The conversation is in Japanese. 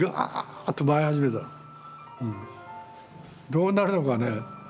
どうなるのかね